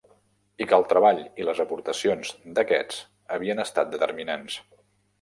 I que el treball i les aportacions d'aquests havien estat determinants.